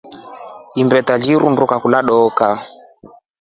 Imbeta lirunduka kulya dooka.